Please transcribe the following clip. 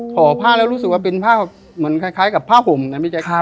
ห่อผ้าแล้วรู้สึกว่าเป็นผ้าเหมือนคล้ายกับผ้าห่มนะพี่แจ๊ค